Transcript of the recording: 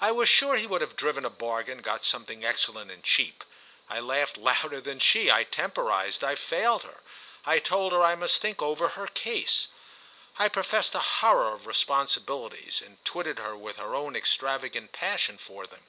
I was sure he would have driven a bargain, got something excellent and cheap. I laughed louder even than she, I temporised, I failed her; I told her I must think over her case. I professed a horror of responsibilities and twitted her with her own extravagant passion for them.